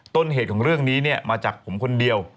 ต้นเหตุของเรื่องนี้เนี่ยมาจากผมคนเดียว